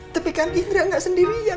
tepikan indra gak sendirian